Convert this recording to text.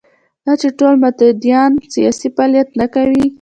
دا چې ټول متدینان سیاسي فعالیت نه کوي.